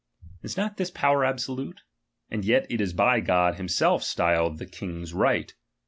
Is not this power absolute ? And yet it is by God himself styled the king's right.